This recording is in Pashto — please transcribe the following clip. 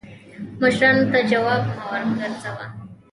مشرانو ته جواب مه ګرځوه